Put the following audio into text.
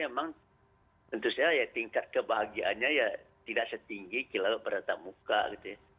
memang tentu saja ya tingkat kebahagiaannya ya tidak setinggi kilau beratap muka gitu ya